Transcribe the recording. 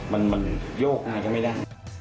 มันโยกงานก็ไม่ได้